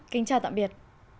kính chào tạm biệt